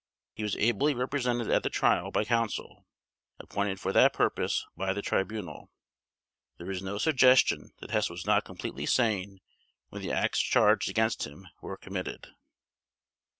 He was ably represented at the Trial by counsel, appointed for that purpose by the Tribunal. There is no suggestion that Hess was not completely sane when the acts charged against him were committed.